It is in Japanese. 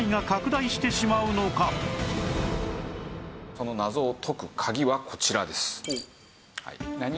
その謎を解く鍵はこちらです。